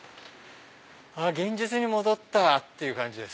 現実に戻った！っていう感じです。